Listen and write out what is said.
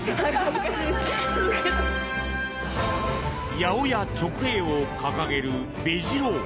八百屋直営を掲げるベジ郎。